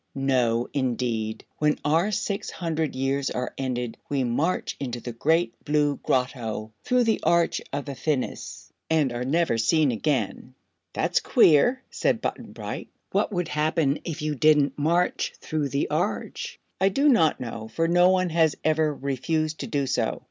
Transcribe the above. "No, indeed. When our six hundred years are ended we march into the Great Blue Grotto, through the Arch of Phinis, and are never seen again." "That's queer," said Button Bright. "What would happen if you didn't march through the Arch?" "I do not know, for no one has ever refused to do so.